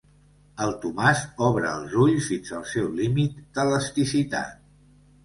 El Tomàs obre els ulls fins al seu límit d'elasticitat.